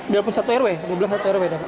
walaupun satu rw mau bilang satu rw